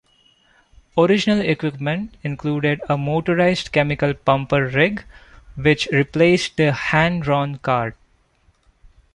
Original equipment included a motorized chemical pumper rig, which replaced the hand-drawn cart.